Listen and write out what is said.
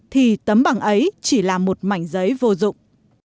thì tấm bằng ấy chỉ là một mảnh giấy vô dụng